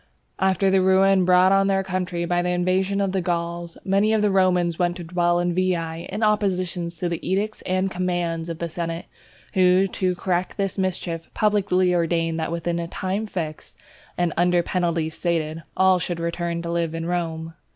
After the ruin brought on their country by the invasion of the Gauls, many of the Romans went to dwell in Veii, in opposition to the edicts and commands of the senate, who, to correct this mischief, publicly ordained that within a time fixed, and under penalties stated, all should return to live in Rome.